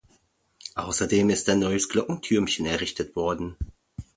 Außerdem ist ein neues Glockentürmchen errichtet worden.